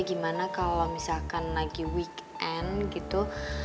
gimana kalau misalkan lagi weekend gitu